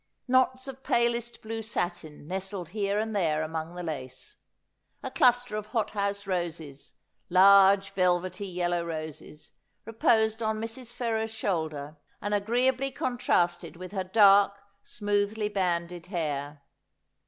Knots of palest blue satin nestled here and there among the lace ; a cluster of hot house roses — large velvety yellow roses — reposed on Mrs. Ferrers's shoulder, and agreeably contrasted with her dark, smoothly banded hair.